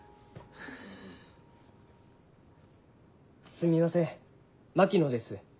・すみません槙野です。